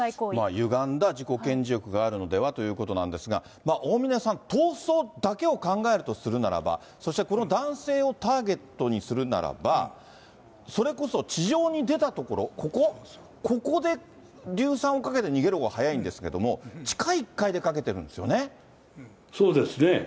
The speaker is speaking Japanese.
ゆがんだ自己顕示欲があるのではということなんですが、大峯さん、逃走だけを考えるとするならば、そしてこの男性をターゲットにするならば、それこそ地上に出たところ、ここ、ここで硫酸をかけて逃げるほうが早いんですけれども、そうですね。